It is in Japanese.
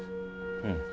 うん。